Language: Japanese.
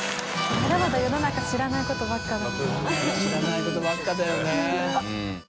まだまだ世の中知らないことばっかだな。